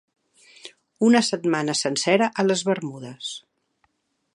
Una setmana sencera a les Bermudes.